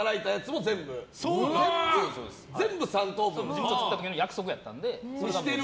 事務所作った時の約束だったので。